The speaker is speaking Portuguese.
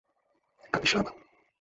Capixaba